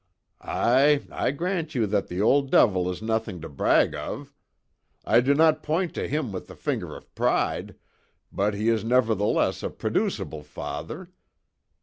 "Aye, I grant you that the old devil is nothing to brag of. I do not point to him with the finger of pride, but he is nevertheless a produceable father.